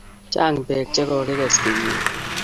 Chang' peek che kokiges Kenyinni